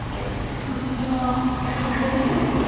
いや私は全く分からないんですが。